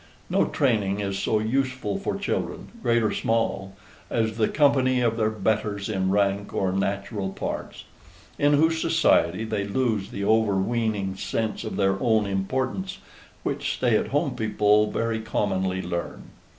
No training is so useful for children, great or small, as the company of their betters in rank or natural parts; in whose society they lose the overweening sense of their own importance, which stay at home people very commonly learn.